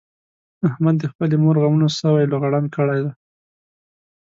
احمد د خپلې مور غمونو سوی لوغړن کړی دی.